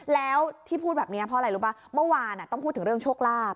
แล้วที่พูดแบบนี้เพราะอะไรรู้ป่ะเมื่อวานต้องพูดถึงเรื่องโชคลาภ